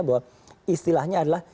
bahwa istilahnya adalah